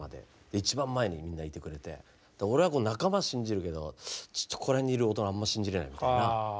一番前にみんないてくれて俺は仲間信じるけどここら辺にいる大人あんま信じれないみたいな。